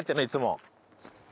いつも。